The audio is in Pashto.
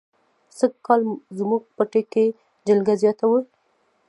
سږ کال زموږ پټي کې جلگه زیاته وه.